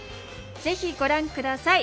ぜひご覧下さい！